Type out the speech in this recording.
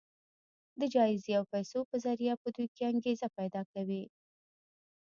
د جايزې او پيسو په ذريعه په دوی کې انګېزه پيدا کوي.